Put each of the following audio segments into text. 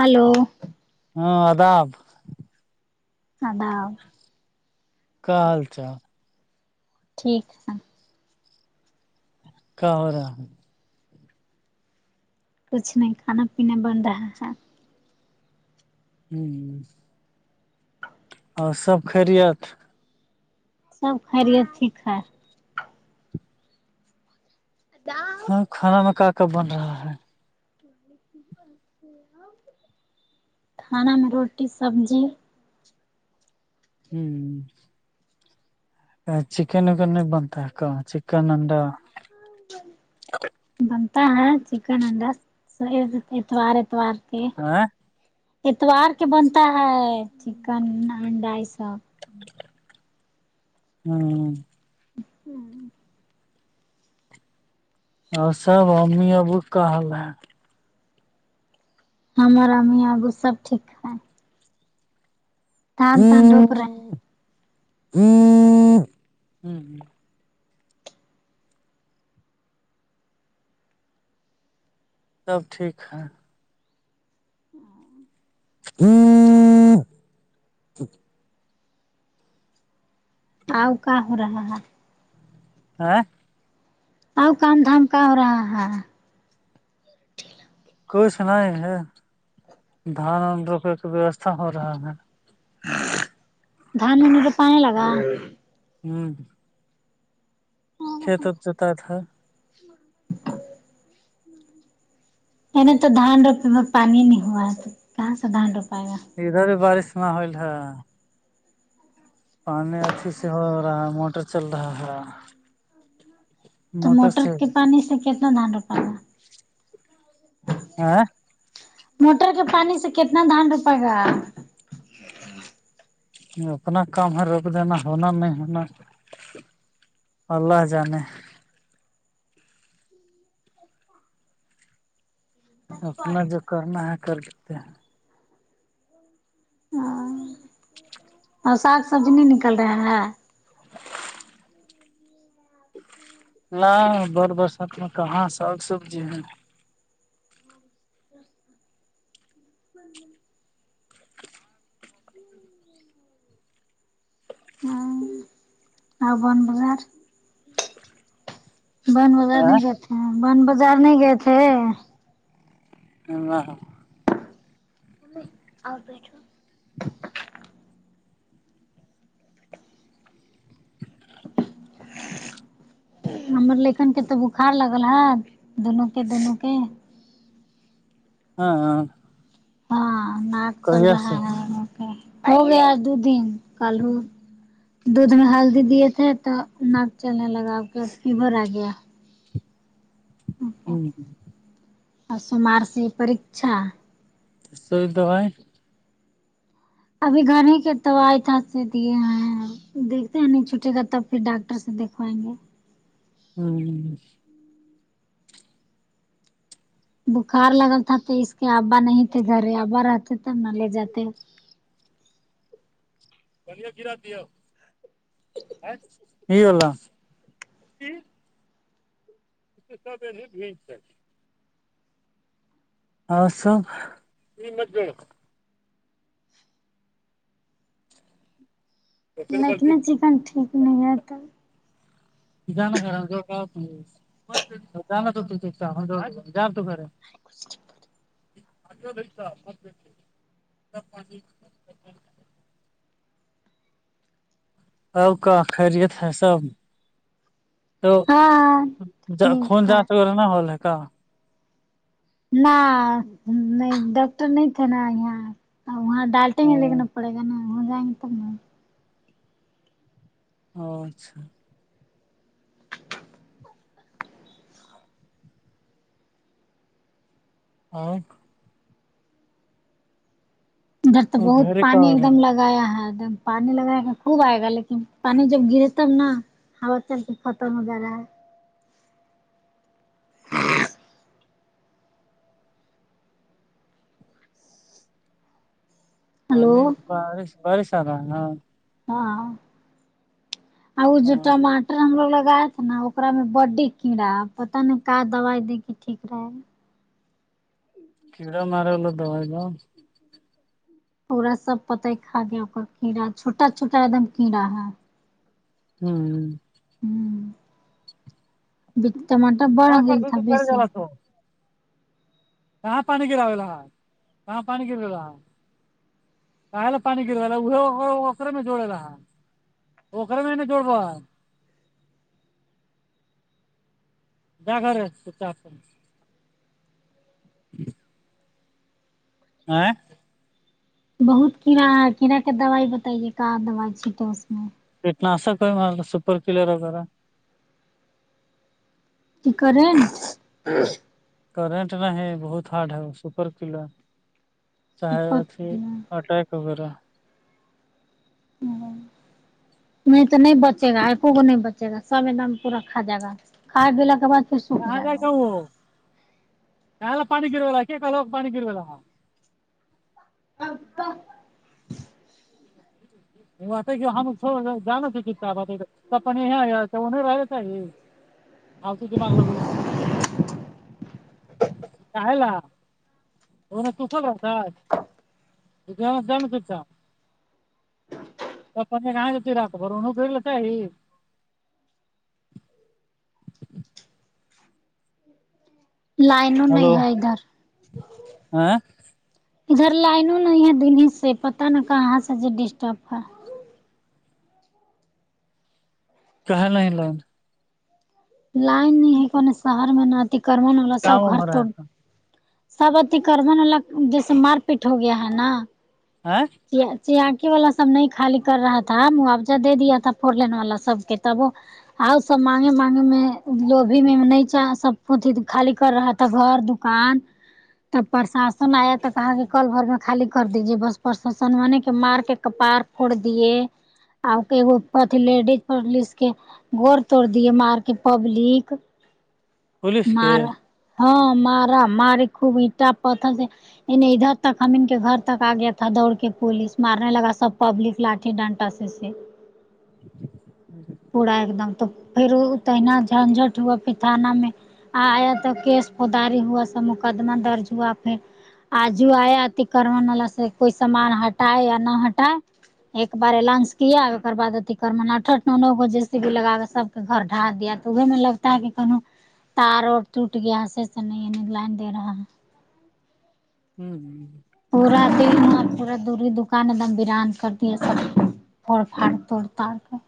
hello ہاں آداب اداب کیا حال چال ٹھیک ہے کیا ہو رہا کچھ نہیں کھانا پینا بن رہا ہے ہمم اور سب خیریت سب خیریت ٹھیک ہے ہاں کھانا میں کا کا بن رہا ہے کھانا میں روٹی سبزی ہمم چکن وکن نہی بنتا کیا چکن انڈا بنتا ہے چکن انڈا اتوار اتوار ا اتوار کے بنتا ہے چکن انڈا یہ سب ہمم ہں [unintelligible] اور سب اممی ابو کا ہال ہے ہمار امی ابو سب ٹھیک ہے تان تان ڈوک رہے سب ٹھیک ہے ا آؤ کہاں ہو رہا ہے ہے او کام دھام کا ہو رہا ہے کچھ نہیں ہے دھان و رپے کا ویوستھا ہو رہا ہے دان منے تو پانی لگا ہمم کھیت اب جتا تھا نہیں تو دھان روپے میں پانی نہیں ہوا ہے کہاں سے دھان ڈوپائے گا ادھر بھی بارش ماحول ہے پانی اچھی سے ہو رہا ہے موٹر چل رہا ہے تو موٹر کے پانی سے کتنا دہان رپائے گا آ موٹر کے پانی سے کتنا دھان روپ گا اپنا کام ہے روک دینا ہونا نہیں ہونا اللہ جانے اپنا جو کرنا ہے کر لیتے ہیں ہاں اور سا سبزی نہیں نکل رہا ہے نہ بت برسات میں کہاں سگ سبزی ہے [unintelligible] بن بازار ہے نہیں گئے تھے بن بازار نہیں گئے تھے ہاں اور بیٹھو ہمر لکھن کے تو بخار لگرا ہےدونوں کے دونوں کے ہاں ہاں ہاں ناک چل کہیا رہا سے ہے مو پے ہو گیا دو دن کل دودھ میں ہلدی دیے تھے تو ناک چلنے لگا ا کے فیور آ گیا اور سمار سے پرکچھا سر دبائی ابھی گھر ہی کے دوائت تھا تو دیے ہیں دیکھتے ہیں نہیں چھوٹے گا تب پھر ڈاکٹر سے دیکوائیں گے ہمم بکھار لگا تھا تیز اس کے ابا نہیں تھے گھر ابا رہتے تب نہ لے جاتے [unintelligible] [unintelligible] اور سب نکلی چکن ٹھیک نی ہے کل [unintelligible] [unintelligible] اب کا خیریت ہے سب تو ہاں جا خون ٹھیک ہے جانچ وغیرہ نہ نہیں ڈاکٹر نہیں تھا نا یہاں ا وہاں ڈالٹیں گے ہاں لیکنا پڑے گا نا ہو جائیں گے تب او اچھا اور ادھر تو اور بہت گھر کا پانی ہو ایک دم رہا ہے لگایا ہے ایک دم پانی لگایا کا خوب آئے گا لیکن پانی جب گرے تب نا ہوا چل کے ختم ہو جا رہا ہے پانی ہلو بارش بارش آرہا ہے نا ہاں اور وہ جو ہاں ٹماٹر ہم لوگ لگائے نا اکام میں بڈی کیڑا پتہ نہیں کا دوائی دے کے ٹھیک رہے کیڈا مارے وہ لوگ دوائی لو پورا سب پتہ ہی کاہ گیا ہو گا کیڑا چھوٹا چھوٹا ایک دم کیڑا ہے ہمم ہاں کر دو تو گھر جا ہمم تو [unintelligible] [unintelligible] [unintelligible] [unintelligible] اے بہت کیڑا کیڑا کے دوائی بتائیے کا دوائی چٹ اس میں [unintelligible] [unintelligible] کرنٹ نہیں بہت ہارڈ ہے سپر کلو چاہے سپر اچھی اٹیک وغیرہ نہیں تو نہیں بچے گا ایکو کو نہیں بچے گا سب ایک دم پورا کھا جائے گا کھا پیلا کے بعد پھر سوکھ کہاں جائے گا [unintelligible] [inaudible] [unintelligible] [unintelligible] [unintelligible] [unintelligible] [unintelligible] لائن نہیں ہے ادھر ہاں ادھر لائنوں ن ہےا دن سے پتہ ن کا سے جو ڈسٹرب ہے کہاں لائنوں لائن نہیں ہے کون شہر میں نہتی کرم کا ہورہا ہے سب اتی کرربن والا جیسے مار پیٹ ہو گیا ہے نا آ چیااکی والا سب نہیں خالی کر رہا تھا موجہ دے دیا تھا فور لین والا سب کے تب وہ آؤ سب مانگے مانگے میں لوبھی میں نہیں چ سب خالی کر رہا تھا گھر دکان تب پرشاسن آیا تو کہاں کہ کل بھر میں خالی کر دیجے بس پر س سنوانی کے مار کے کپار پھوڑ دیے آپ کے وہ پتلے گور توڑ دیے مار کے پبلک مار ہاں مارا ماری خوب اٹا پت سے انہیں ادھر تک ہم ان کے گھر تک آ گیا ا دوڑ کے پوولس مارنے لگا سب پبلک لاٹھی ڈنٹا سے سے پڑا ایک دم تو پھر تہنا جھنجٹ ہوا پھر تھانہ میں [unintelligible] آیا تو کیس پوداری ہوا سب مقدمہ درج ہوا پھر آجو آیا اتی کر والا سے کوئی سامان ہٹائے یا نہ ہٹائے ایک بار ایننونس کیا [unintelligible] تار و ٹوٹ گیا س نہیںعنی لائن دے رہا ہے پورا دن اور پورا دوری دکان ایک دم بیران کر دیا سب [unintelligible]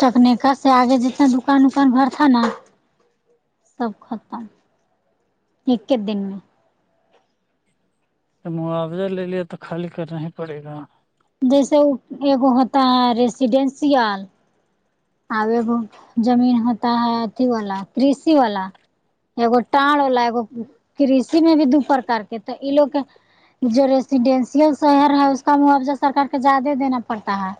تکنیکا سے آگے جتنا دکان وکان بھر تھا نا [unintelligible] سب ختم ایک کے دن میں تو معاوضہ لے لیا تو خالی کرنا ہی پڑے گا جیسے ایگ ہوتا ہے ریسیڈینشیل آب ب زمین ہوتا ہے اھی والا کرسی والا ایگو ٹاڑ والا اگ کرشی میں بھی دو پرکار کے تو یہ لوگ کے جو ریسیڈینشیل شہر ہے اس کا ماوضہ سرکار کے زیادہ دینا پڑتا ہے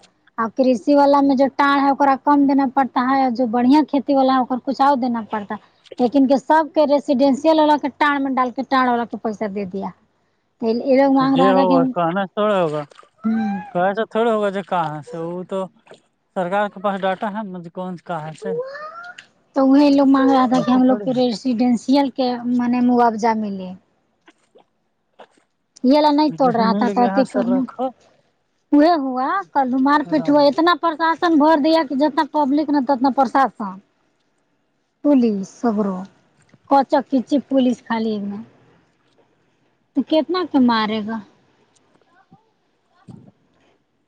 اور کرشی والا میں جو ٹ ہے اا [unintelligible] کم دینا پڑتا ہے جو بڑھیا کھیتی والا ہے ا کچھاؤ دینا پڑتا لیکن سب کے [unintelligible] ڈینسل والا کے ٹاڑ میں ڈال کے ٹڑ والا کا پیسہ دے دیا [unintelligible] ج کہ ہوگا ہم کھانا تھوڑا ہوگا کہ س [unintelligible] تھوڑا ہوگا جا کہاں سے وہ تو سرکار کے پاس ڈاٹا ہے مجھ کون سے کہاں سے تو وہ لوگ مانگ رہا تھا کہ ہم لوگ کے ریٹ ریسیڈینسئل کے منی ماوجہ ملے یہ لا نہیں توڑ رہاتا تھاتی کرنا [unintelligible] ہوئے ہوا کل مار پیٹ ہوا اتنا پرشاسن بھر دیا کہ جتنا پبلک نا تتنا پرشاسن پلیس سگر کچ کچ پولس خالی ایک تو کتنا کا مارے گا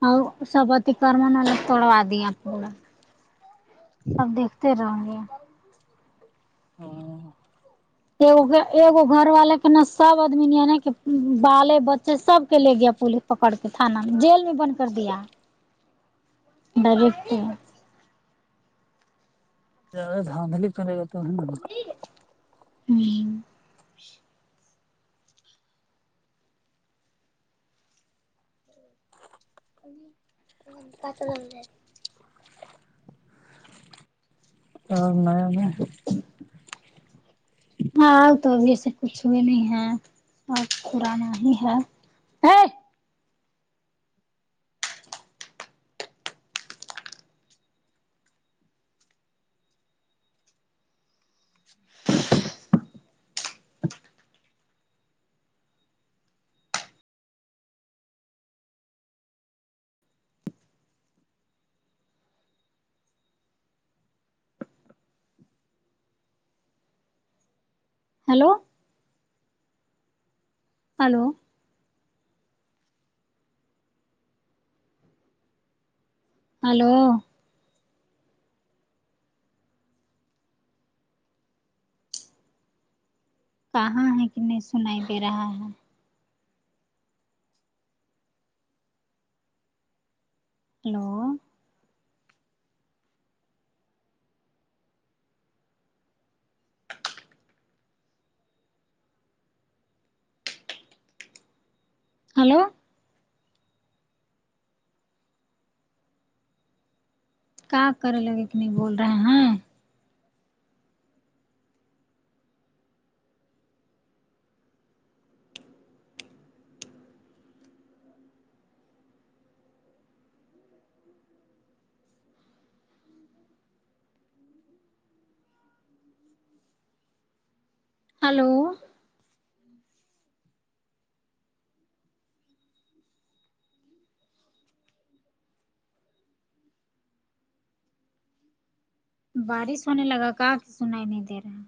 اور سبتی کرمن الگ توڑوا دیا آپ پوڑا سب دیکھتے رہوں گے دھاندلی ایگو گھر والے کے نا سب آدمی نے کہ بالے بچے سب کے لے گیا پولیس پکڑ کے تھانہ جیل میں بند کر دیا ڈیکٹ [unintelligible] ھم ہ پسا جم ہے [unintelligible] کا میا میں [unintelligible] ہاںؤ تو ابھی ایسے کچھ ہوئے نہیں ہے اور خورانا ہی ہے ہیلو ہیلو ہیلو کہاں ہے کہ نہیں سنائی دے رہا ہے ہیلو ہیلو کیا کرے لگے کہ نہیں بول رہے ہیں ہیلو بارش ہونے لگا کہ کہ سنائی نہیں دے رہا